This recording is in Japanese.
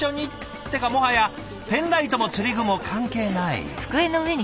ってかもはやペンライトも釣り具も関係ない。